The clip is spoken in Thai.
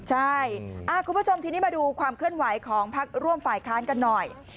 ใช่คุณผู้ชมทีนี้มาดูความเคลื่อนไหวของพักร่วมฝ่ายค้านกันหน่อย